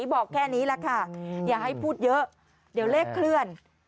บอกแค่นี้แหละค่ะอย่าให้พูดเยอะเดี๋ยวเลขเคลื่อน